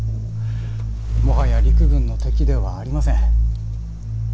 もはや陸軍の敵ではありません。